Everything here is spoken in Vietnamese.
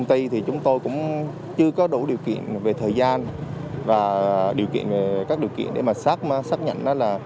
gia đình anh nguyễn xuân hoàng sống cạnh nhà